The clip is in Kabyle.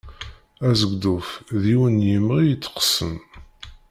Azegḍuf d yiwen n yimɣi iteqsen.